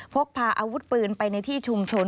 พกพาอาวุธปืนไปในที่ชุมชน